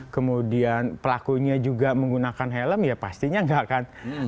kemudian pelakunya juga menggunakan helm ya pastinya tidak akan dilihat